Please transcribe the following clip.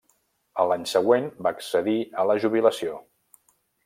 A l'any següent va accedir a la jubilació.